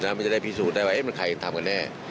มันจะได้พิสูจน์ได้ว่ามันใครทำกันแน่